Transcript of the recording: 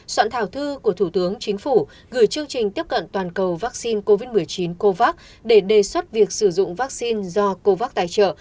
soạn thảo thư của thủ tướng chính phủ gửi chương trình tiếp cận toàn cầu vaccine covid một mươi chín covax để đề xuất việc sử dụng vaccine do covax tài trợ